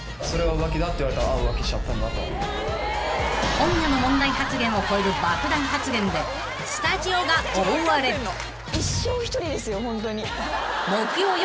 ［今夜の問題発言を超える爆弾発言でスタジオが大荒れ］［木曜夜］